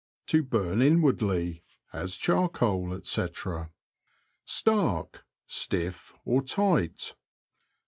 — To burn inwardly, as charcoal, &c. Stark. — Stiff, or tight.